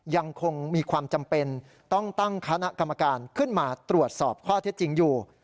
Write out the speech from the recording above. ยังคงมีความจำเป็นต้องตั้งคณะกรรมการขึ้นมาตรวจสอบข้อเท็จจริงอยู่